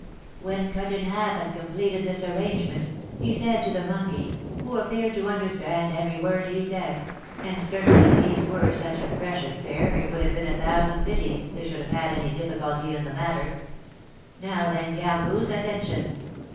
"When Cut in Half had completed this arrangement, he said to the monkey, who appeared to understand every word he said, and certainly these were such a precious pair it would have been a thousand pities they should have had any difficulty in the matter: 'Now, then, Gargousse, attention!